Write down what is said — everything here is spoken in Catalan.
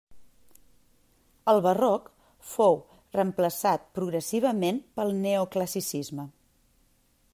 El Barroc fou reemplaçat progressivament pel Neoclassicisme.